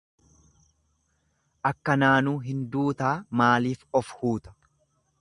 Akkanaanuu hin duutaa maaliif of huuta.